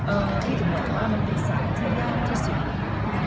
เอ่อที่จำนวนว่ามันเป็นศาลเท่าไหร่ที่สุด